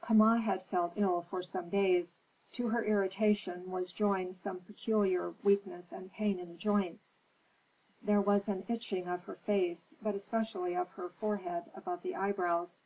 Kama had felt ill for some days. To her irritation was joined some peculiar weakness and pain in the joints. Then there was an itching of her face, but especially of her forehead above the eyebrows.